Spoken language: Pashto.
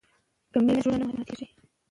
که مینه وي، زړونه نه ماتېږي.